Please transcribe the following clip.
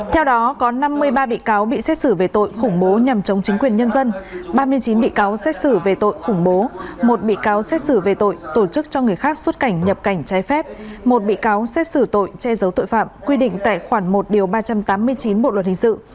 theo đó có năm mươi ba bị cáo bị xét xử về tội khủng bố nhằm chống chính quyền nhân dân ba mươi chín bị cáo xét xử về tội khủng bố một bị cáo xét xử về tội tổ chức cho người khác xuất cảnh nhập cảnh trái phép một bị cáo xét xử tội che giấu tội phạm quy định tại khoản một ba trăm tám mươi chín bộ luật hình sự